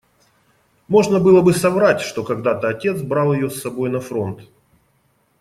Можно было бы соврать, что когда-то отец брал ее с собой на фронт.